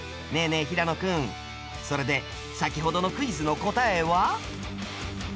え平野君それで先ほどのクイズの答えは？